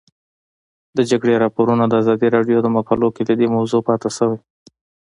د جګړې راپورونه د ازادي راډیو د مقالو کلیدي موضوع پاتې شوی.